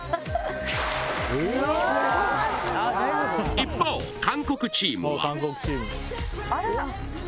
一方韓国チームはあら！